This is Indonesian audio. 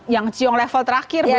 yang chiong level terakhir bro